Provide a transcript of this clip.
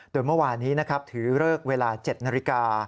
โดยเมื่อวานี้ถือเลิกเวลา๗นาฬิกา